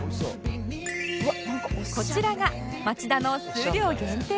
こちらが町田の数量限定